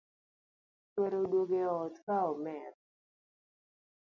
Chuore oduogo e ot ka omer